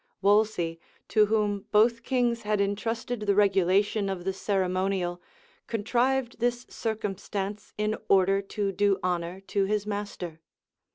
Wolsey, to whom both kings had intrusted the regulation of the ceremonial, contrived this circumstance, in order to do honor to his master.